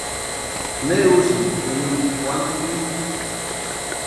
¿Né úsïnki tumina kwantpini?